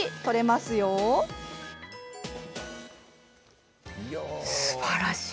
すばらしい。